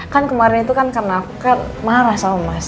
kan kemarin itu kan kena kan marah sama mas